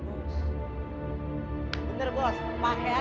bener bos pake aja